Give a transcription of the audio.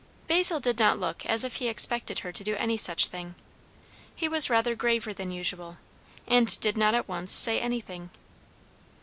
Basil did not look as if he expected her to do any such thing. He was rather graver than usual, and did not at once say anything.